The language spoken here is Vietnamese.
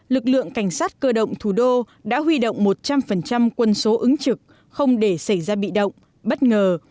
lực lượng cảnh sát cơ động thủ đô đã huy động một trăm linh quân số ứng trực không để xảy ra bị động bất ngờ